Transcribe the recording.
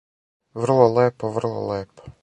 Врло лепо, врло лепо.